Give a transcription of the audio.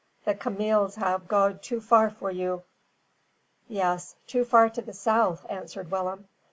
The cameels have goed too far for you." "Yes, too far to the south," answered Willem.